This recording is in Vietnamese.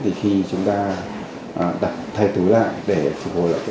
thì khi chúng ta thay túi lại để phục hồi lại